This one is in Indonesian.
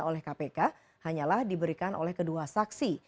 ketiga kalinya oleh kpk hanyalah diberikan oleh kedua saksi